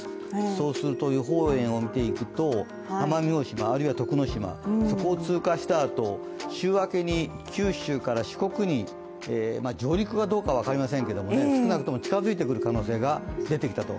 そうすると、予報円を見ていくと奄美大島、あるいは徳之島そこを通過したあと、週明けに九州から四国に上陸はどうか分かりませんけど少なくとも近づいてくる可能性が出てきたと。